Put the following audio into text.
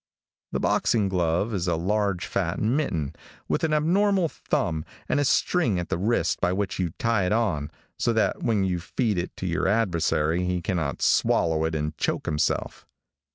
The boxing glove is a large fat mitten, with an abnormal thumb and a string at the wrist by which you tie it on, so that when you feed it to your adversary he cannot swallow it and choke himself.